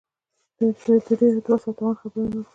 د ډېرو د وس او توان خبره نه وه.